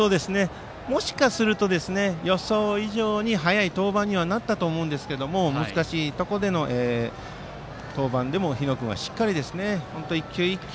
もしかすると予想以上に早い登板にはなったと思うんですが難しいところでの登板でも日野君はしっかり１球１球